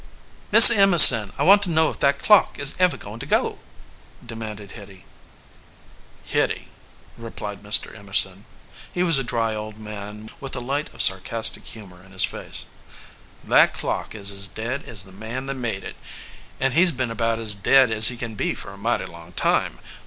"Mr. Emerson, I want to know if that clock is ever going to go?" demanded Hitty. "Hitty," replied Mr. Emerson he was a dry old man with a light of sarcastic humor in his face "that clock is as dead as the man that made it; and he s been about as dead as he can be for a mighty long time.